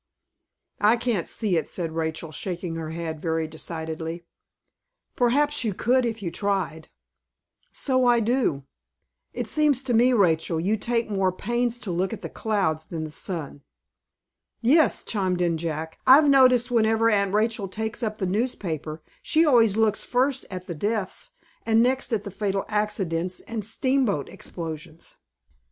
"I can't see it," said Rachel, shaking her head very decidedly. "Perhaps you could if you tried." "So I do." "It seems to me, Rachel, you take more pains to look at the clouds than the sun." "Yes," chimed in Jack; "I've noticed whenever Aunt Rachel takes up the newspaper, she always looks first at the death's, and next at the fatal accidents and steamboat explosions."